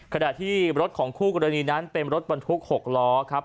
ขณะที่รถของคู่กรณีนั้นเป็นรถบรรทุก๖ล้อครับ